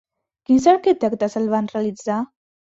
Quins arquitectes el van realitzar?